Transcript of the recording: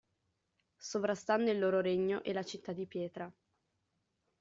Sovrastando il loro regno e la città di pietra.